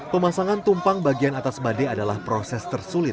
pemasangan tumpang bagian atas bade adalah proses terakhir